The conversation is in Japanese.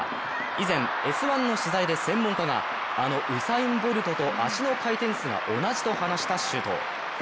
以前、「Ｓ☆１」の取材で専門家が、あのウサイン・ボルトと足の回転数が同じと話した周東。